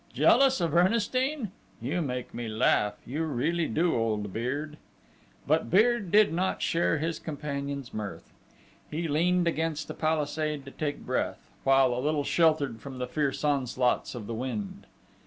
Jealous of Ernestine? You make me laugh, you really do, old Beard!" But Beard did not share his companion's mirth. He leaned against a palisade to take breath, while a little sheltered from the fierce onslaughts of the wind.